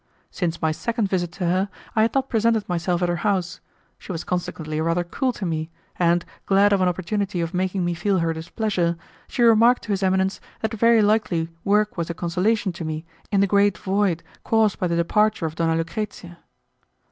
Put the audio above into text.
Since my second visit to her, I had not presented myself at her house; she was consequently rather cool to me, and, glad of an opportunity of making me feel her displeasure, she remarked to his eminence that very likely work was a consolation to me in the great void caused by the departure of Donna Lucrezia.